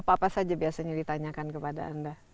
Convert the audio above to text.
apa apa saja biasanya ditanyakan kepada anda